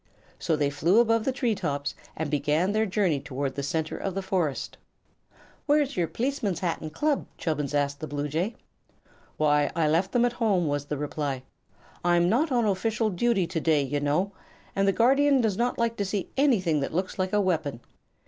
So they flew above the tree tops and began their journey toward the center of the forest. "Where's your p'liceman's hat and club?" Chubbins asked the bluejay. "Why, I left them at home," was the reply. "I'm not on official duty today, you know, and the Guardian does not like to see anything that looks like a weapon.